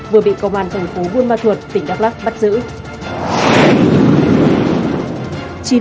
vừa bị công an thành phố buôn ma thuột tỉnh đắk lắc bắt giữ